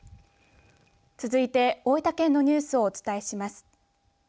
続いて大分県のニュースをお伝えします。